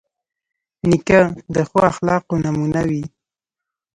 نیکه د ښو اخلاقو نمونه وي.